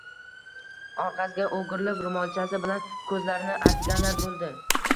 orqasiga o'girilib ro'molchasi bilan ko'zlarini artganlar bo'ldi.